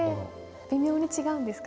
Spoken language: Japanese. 微妙に違うんですか？